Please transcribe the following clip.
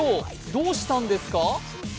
どうしたんですか？